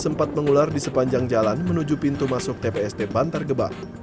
sempat mengular di sepanjang jalan menuju pintu masuk tpst bantar gebang